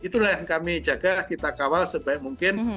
itulah yang kami jaga kita kawal sebaik mungkin